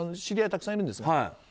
知り合いたくさんいるんです。